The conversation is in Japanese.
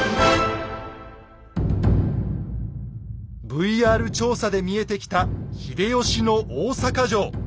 ＶＲ調査で見えてきた秀吉の大坂城。